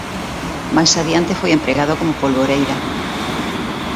Máis adiante foi empregado como polvoreira.